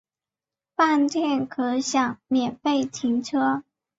饭店可享免费停车